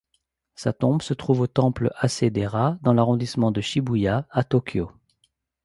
Sa tombe se trouve au temple Hase-dera dans l'arrondissement de Shibuya à Tokyo.